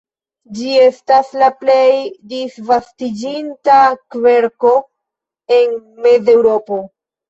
Ĝi estas la plej disvastiĝinta kverko en Mezeŭropo.